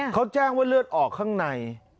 เขาแจ้งว่าเลือดออกข้างใน